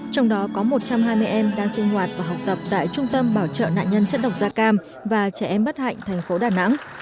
trong đó có một trăm hai mươi em đang sinh hoạt và học tập tại trung tâm bảo trợ nạn nhân chất độc da cam và trẻ em bất hạnh thành phố đà nẵng